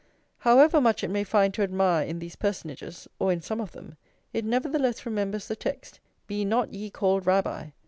However much it may find to admire in these personages, or in some of them, it nevertheless remembers the text: "Be not ye called Rabbi!"